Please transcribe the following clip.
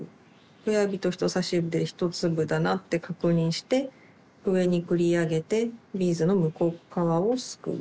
親指と人さし指で１粒だなって確認して上に繰り上げてビーズの向こう側をすくう。